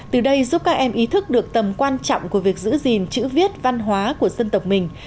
từ đây giúp các em ý thức được tầm quan trọng của việc giữ gìn chữ viết văn hóa của dân tộc mình